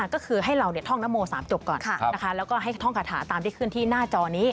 ก็คือให้เราท่องนโม๓จบก่อนแล้วก็ให้ท่องคาถาตามที่ขึ้นที่หน้าจอนี้